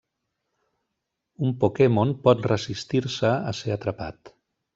Un Pokémon pot resistir-se a ser atrapat.